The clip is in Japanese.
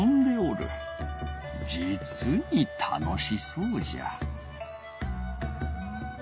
じつに楽しそうじゃ。